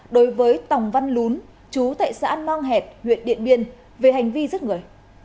đối với tòng văn lún chú tại xã long hẹt huyện điện biên về hành vi giấc người